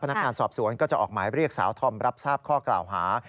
นักงานสอบสวนก็จะออกหมายเรียกสาวธอมรับทราบข้อกล่าวหา